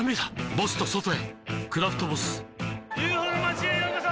ボスと外へ「クラフトボス」ＵＦＯの町へようこそ！